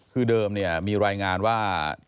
คือเดิมเนี่ยมีรายงานว่า